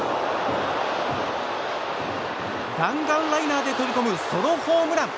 弾丸ライナーで飛び込むソロホームラン。